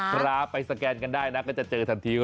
ครับไปสแกนกันได้นะก็จะเจอทันที